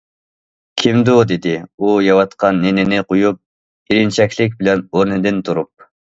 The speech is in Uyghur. ‹‹ كىمدۇ›› دېدى ئۇ يەۋاتقان نېنىنى قويۇپ ئېرىنچەكلىك بىلەن ئورنىدىن تۇرۇپ.